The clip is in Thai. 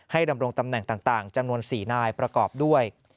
ดำรงตำแหน่งต่างจำนวน๔นายประกอบด้วย